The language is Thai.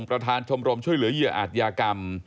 ประธานชมรมช่วยเหลือเหยื่ออาจยากรรม